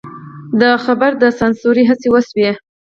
د خبر د سانسور هڅې وشوې.